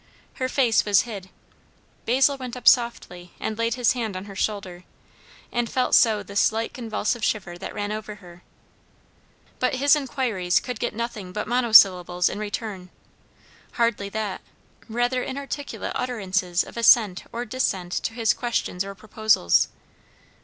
Her face was hid. Basil went up softly and laid his hand on her shoulder, and felt so the slight convulsive shiver that ran over her. But his inquiries could get nothing but monosyllables in return; hardly that; rather inarticulate utterances of assent or dissent to his questions or proposals.